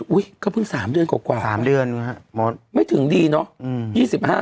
อุ้ยก็เพิ่งสามเดือนกว่ากว่าสามเดือนเนี่ยฮะไม่ถึงดีเนาะ